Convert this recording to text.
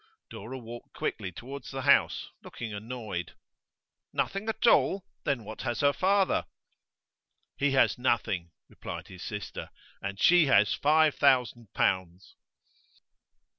Dora walked quickly towards the house, looking annoyed. 'Nothing at all? Then what has her father?' 'He has nothing,' replied his sister, 'and she has five thousand pounds.